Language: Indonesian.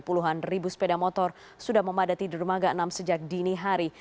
puluhan ribu sepeda motor sudah memadati di rumah gak enam sejak dini hari